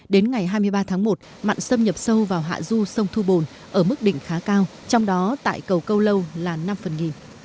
đến ngày hai mươi ba tháng một mặn xâm nhập sâu vào hạ du sông thu bồn ở mức đỉnh khá cao trong đó tại cầu câu lâu là năm phần nghìn